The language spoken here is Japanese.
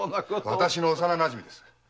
私の幼なじみです。